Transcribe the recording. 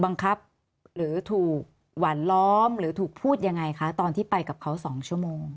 บังคับหรือถูกหวานล้อมหรือถูกพูดยังไงคะตอนที่ไปกับเขา๒ชั่วโมง